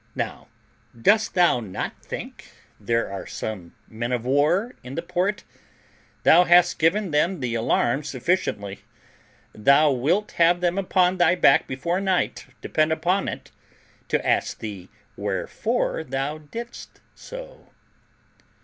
Now, dost thou not think there are some men of war in the port? Thou hast given them the alarm sufficiently; thou wilt have them upon thy back before night, depend upon it, to ask thee wherefore thou didst so."